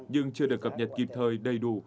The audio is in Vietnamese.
nhưng chưa được cập nhật kịp thời đầy đủ